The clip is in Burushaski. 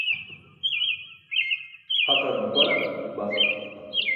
Haqar nuparan baxt.